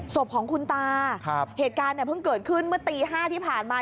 ศพของคุณตาเหตุการณ์เนี่ยเพิ่งเกิดขึ้นเมื่อตี๕ที่ผ่านมา